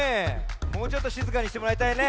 もうちょっとしずかにしてもらいたいね。